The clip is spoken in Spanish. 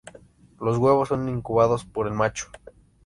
Los huevos son incubados por el macho.